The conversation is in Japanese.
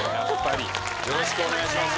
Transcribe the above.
よろしくお願いします。